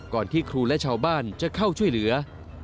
ที่ครูและชาวบ้านจะเข้าช่วยเหลือ